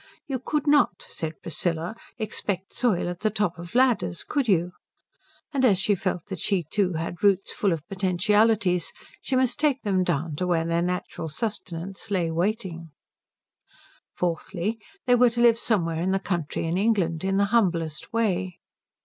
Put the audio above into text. You could not, said Priscilla, expect soil at the top of ladders, could you? And as she felt that she too had roots full of potentialities, she must take them down to where their natural sustenance lay waiting.) Fourthly, they were to live somewhere in the country in England, in the humblest way.